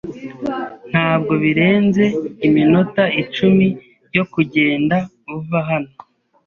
Ntabwo birenze iminota icumi yo kugenda uva hano.